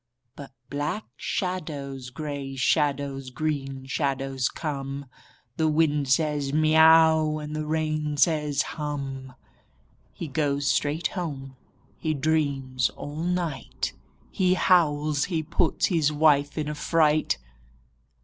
But black shadows, grey shadows, green shadows come. The wind says, " Miau !" and the rain says, « Hum !" He goes straight home. He dreams all night. He howls. He puts his wife in a fright.